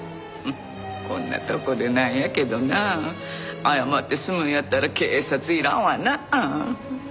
こんなとこでなんやけどな謝って済むんやったら警察いらんわな。